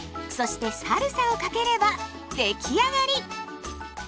そしてサルサをかければ出来上がり。